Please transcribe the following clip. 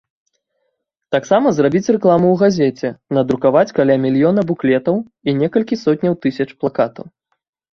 Таксама зрабіць рэкламу ў газеце, надрукаваць каля мільёна буклетаў і некалькі сотняў тысяч плакатаў.